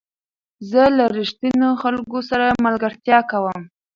زه له رښتینو خلکو سره ملګرتیا کوم.